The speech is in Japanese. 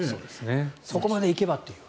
そこまでいけばという。